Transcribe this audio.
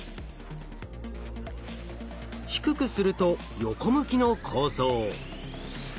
低くすると横向きの構造。